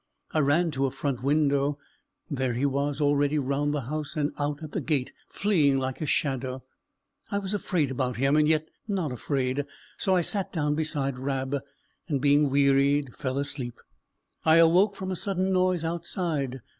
I ran to a front window; there he was, already round the house, and out at the gate, fleeing like a shadow. I was afraid about him, and yet not afraid; so I sat down beside Rab, and being wearied, fell asleep. I awoke from a sudden noise outside.